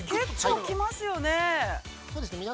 ◆結構きますよね。